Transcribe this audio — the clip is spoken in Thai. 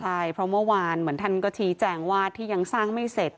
ใช่เพราะเมื่อวานเหมือนท่านก็ชี้แจงว่าที่ยังสร้างไม่เสร็จ